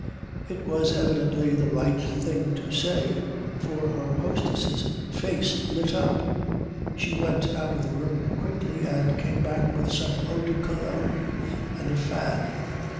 It was evidently the right thing to say, for her hostess's face lit up. She went out of the room quickly and came back with some Eau de Cologne and a fan.